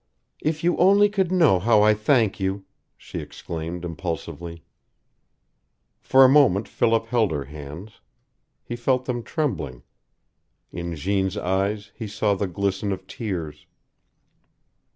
"If you only could know how I thank you!" she exclaimed, impulsively. For a moment Philip held her hands. He felt them trembling. In Jeanne's eyes he saw the glisten of tears.